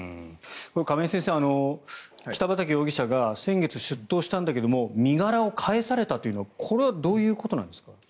亀井先生北畠容疑者が先月、出頭したんだけど身柄を返されたというのはこれはどういうことなんですか？